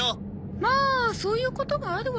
まあそういうこともあるわよ。